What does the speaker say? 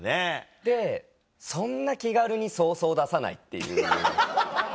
でそんな気軽にそうそう出さないっていう。